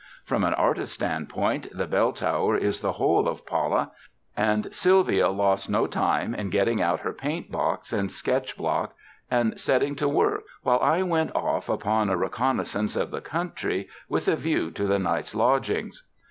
From an artist's standpoint the bell tower is the whole of Pala, and Sylvia lost no time in getting out her paint box and sketch block and setting to work, while 1 went off upon a reconnaissance of the country with a view to the night's lodgings.